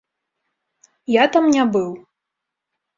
Я там не быў.